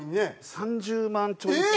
３０万ちょい。